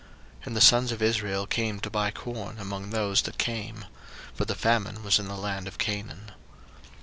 01:042:005 And the sons of Israel came to buy corn among those that came: for the famine was in the land of Canaan.